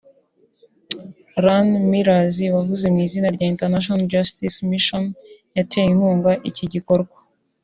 Lan Mears wavuze mu izina rya International Justice Mission yateye inkunga iki gikorwa